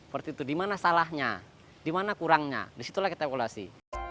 seperti itu di mana salahnya di mana kurangnya disitulah kita evaluasi